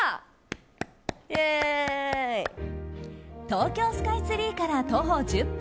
東京スカイツリーから徒歩１０分